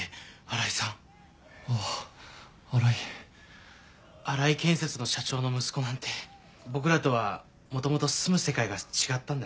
荒井建設の社長の息子なんて僕らとはもともと住む世界が違ったんだね。